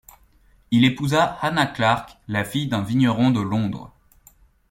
Il épousa Hannah Clark, la fille d'un vigneron de Londres.